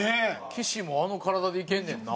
岸もあの体でいけんねんな。